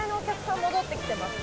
戻ってきてますか？